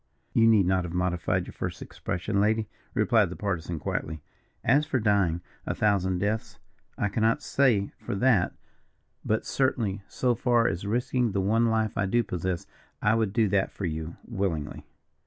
"You need not have modified your first expression, lady," replied the Partisan, quietly; "as for dying a thousand deaths, I cannot say for that, but certainly so far as risking the one life I do possess, I would do that for you, willingly."